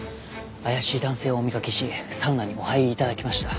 怪しい男性をお見かけしサウナにお入り頂きました。